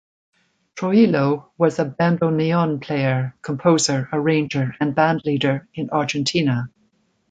Troilo was a bandoneon player, composer, arranger and bandleader in Argentina.